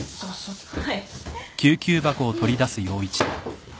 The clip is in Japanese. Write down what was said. はい。